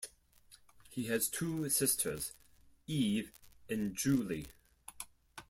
He has two sisters, Eve and Julie.